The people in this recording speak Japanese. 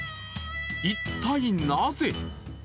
一体なぜ？